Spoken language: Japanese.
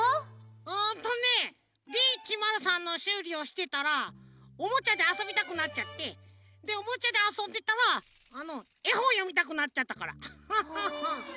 うんとねＤ１０３のしゅうりをしてたらおもちゃであそびたくなっちゃってでおもちゃであそんでたらあのえほんよみたくなっちゃったからアハハハ。